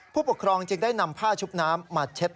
ผู้ปกครองจึงได้นำผ้าชุบน้ำมาเช็ด